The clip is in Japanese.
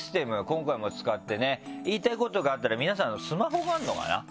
今回も使ってね言いたいことがあったら皆さんスマホがあるのかな？